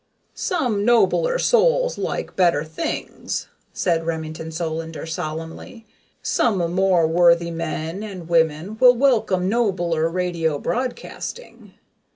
"Some nobler souls like better things," said Remington Solander solemnly. "Some more worthy men and women will welcome nobler radio broadcasting.